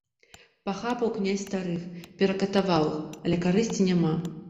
Пахапаў князь старых, перакатаваў іх, але карысці няма.